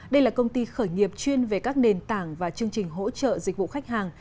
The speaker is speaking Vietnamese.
đây là công ty khởi nghiệp chuyên về các nền tảng và chương trình hỗ trợ dịch vụ khách hàng